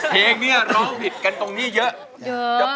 เพลงนี้ร้องผิดกันตรงนี้เยอะ